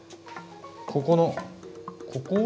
ここの